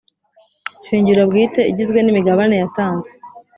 Shingiro bwite igizwe n imigabane yatanzwe